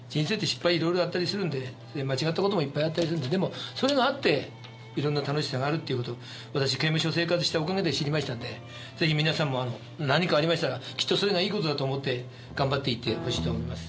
いろいろあったりするんで間違った事もいっぱいあったりするんででもそれがあっていろんな楽しさがあるっていう事を私刑務所生活したおかげで知りましたんで是非皆さんも何かありましたらきっとそれがいい事だと思って頑張っていってほしいと思います」。